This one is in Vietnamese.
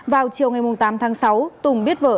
vào chiều ngày tám tháng sáu tùng biết vợ